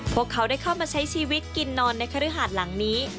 พวกเขาได้เข้ามาใช้ชีวิตกินนอนในคฤหาดหลังนี้